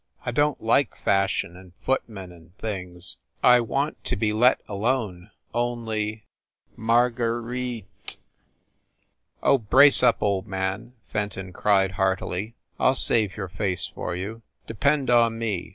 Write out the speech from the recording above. I don t like fashion and footmen and things I want to be let alone only, Mar guer ite !" "Oh, brace up, old man," Fenton cried heartily. "I ll save your face for you. Depend on me.